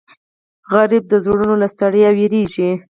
سوالګر د زړونو له ستړیا ویریږي